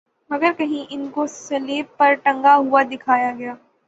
مگر کہیں انکو صلیب پر ٹنگا ہوا دکھایا گیا